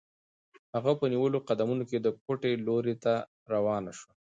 هغه په نیولو قدمونو د کوټې لوري ته روانه شوه.